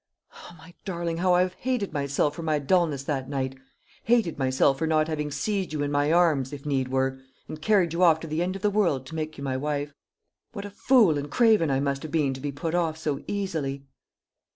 Ah, my darling, how I have hated myself for my dulness that night! hated myself for not having seized you in my arms, if need were, and carried you off to the end of the world to make you my wife. What a fool and craven I must have been to be put off so easily!"